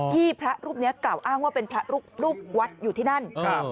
พระรูปนี้กล่าวอ้างว่าเป็นพระลูกวัดอยู่ที่นั่น